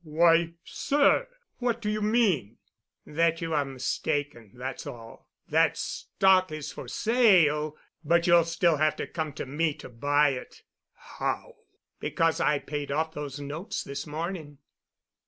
"Why, sir—what do you mean?" "That you're mistaken, that's all. That stock is for sale, but you'll still have to come to me to buy it." "How——" "Because I paid off those notes this morning.